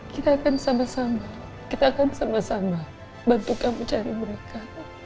kita akan sama sama kita akan sama sama bantu kamu cari mereka